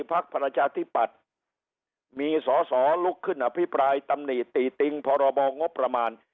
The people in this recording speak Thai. พักประชาธิปัตย์มีสอสอลุกขึ้นอภิปรายตำหนิติติงพรบงบประมาณ